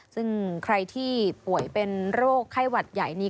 ซึ่งใครที่ป่วยเป็นโรคไข้หวัดใหญ่นี้